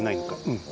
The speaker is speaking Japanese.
うん。